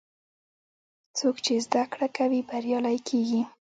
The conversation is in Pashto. څوک چې زده کړه کوي، بریالی کېږي.